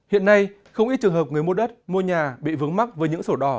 hiện nay không ít trường hợp người mua đất mua nhà bị vướng mắc với những sổ đỏ